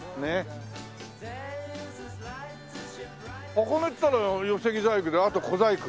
箱根っていったら寄木細工であと小細工？